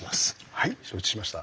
はい承知しました。